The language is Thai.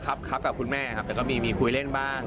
ครับกับคุณแม่แต่ก็มีคุยเล่นบ้าง